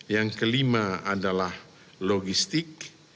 yang kelima adalah logistik